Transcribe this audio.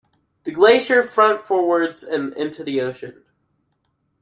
The glacier front forwards and into the ocean.